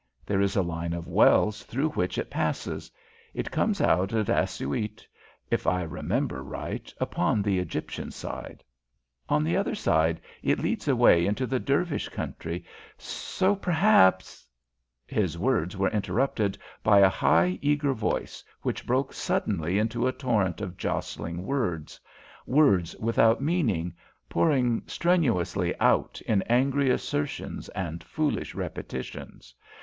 There is a line of wells through which it passes. It comes out at Assiout, if I remember right, upon the Egyptian side. On the other side, it leads away into the Dervish country, so, perhaps " His words were interrupted by a high, eager voice which broke suddenly into a torrent of jostling words, words without meaning, pouring strenuously out in angry assertions and foolish repetitions.